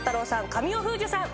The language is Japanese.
神尾楓珠さん。